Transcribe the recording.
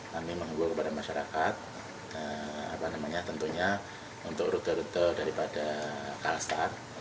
namanya menghubung kepada masyarakat tentunya untuk rute rute daripada calstar